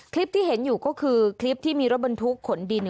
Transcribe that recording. คลิปที่เห็นอยู่ก็คือคลิปที่มีรถบรรทุกขนดิน